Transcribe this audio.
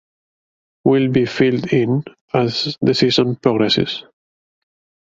Will be filled in as the season progresses.